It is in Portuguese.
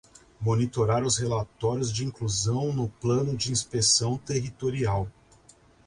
Monitorar os relatórios de inclusão no Plano de Inspeção Territorial.